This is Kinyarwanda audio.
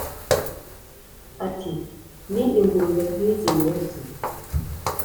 Ati: "Ni ingurube nk'izi muzi!